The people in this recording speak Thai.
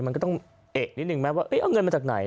มันก็ต้องเอกนิดนึงไหมว่าเอาเงินมาจากไหน